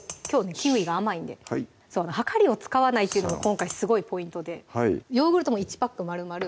キウイが甘いんで量りを使わないというのが今回すごいポイントでヨーグルトも１パックまるまる